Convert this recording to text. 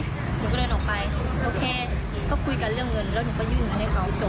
หนูก็เดินออกไปก็แค่ก็คุยกันเรื่องเงินแล้วหนูก็ยื่นเงินให้เขาจบ